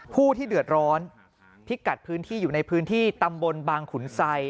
ผู้ที่เดือดร้อนพิกัดพื้นที่อยู่ในพื้นที่ตำบลบางขุนไซ